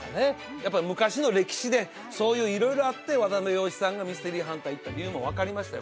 やっぱ昔の歴史でそういう色々あって渡部陽一さんがミステリーハンター行った理由も分かりましたよ